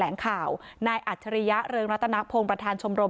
แต่ลงข่าวนายอาจจะย่าเริงรัตนโธงประธานชมโลม